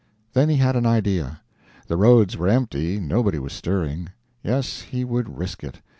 Then he had an idea. The roads were empty, nobody was stirring. Yes, he would risk it.